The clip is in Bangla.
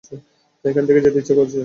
এখানে থেকে যেতে ইচ্ছে করছে।